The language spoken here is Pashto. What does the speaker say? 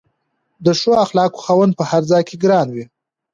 د ښو اخلاقو خاوند په هر ځای کې ګران وي.